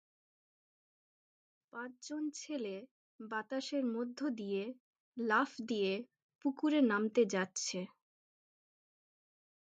পাঁচজন ছেলে বাতাসের মধ্য দিয়ে লাফ দিয়ে পুকুরে নামতে যাচ্ছে।